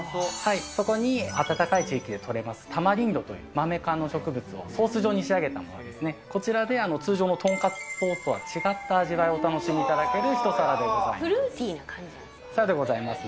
そこに暖かい地域で取れます、タマリンドというマメ科の植物をソース状に仕上げたものですね、こちらで通常のとんかつとは違った味わいをお楽しみいただける一皿でございます。